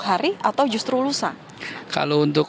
hari atau justru lusa kalau untuk